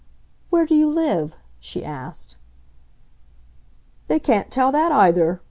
"Where do you live?" she asked. "They can't tell that, either!"